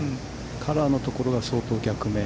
カラーのところが相当逆目。